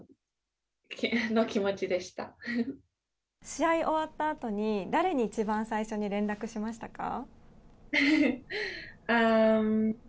試合終わったあとに誰に一番最初に連絡しましたか。